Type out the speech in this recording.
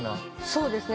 そうですね。